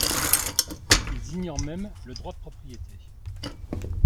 Ils ignorent même le droit de propriété.